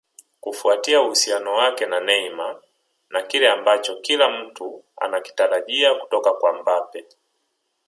Kufuatia uhusiano wake na Neymar na kile ambacho kila mtu anakitarajia kutoka kwa Mbappe